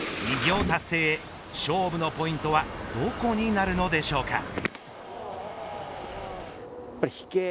偉業達成へ勝負のポイントはどこになるのでしょうか。